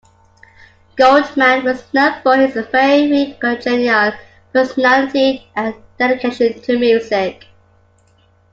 Goldman was known for his very congenial personality and dedication to music.